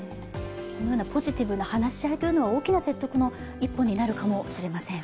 このようなポジティブな話し合いというのは大きな説得の一歩になるかもしれません。